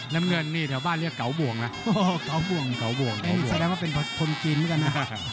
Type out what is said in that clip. น้ำเงินนี่แถวบ้านเรียกเก๋าบ่วงนะเห้ยแสดงว่าเป็นคนจีนเหมือนกันนะ